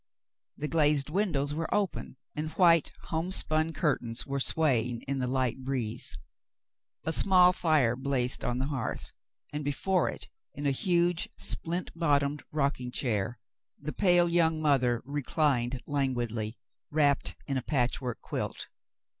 The glazed windows w^ere open, and white home spun curtains were swaying in the light breeze. A small fire blazed on the hearth, and before it, in a huge splint bottomed rocking chair, the pale young mother reclined languidly, wrapped in a patchwork quilt.